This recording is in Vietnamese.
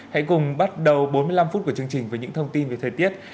hãy cùng bắt đầu bốn mươi năm phút của chương trình với những thông tin về thời tiết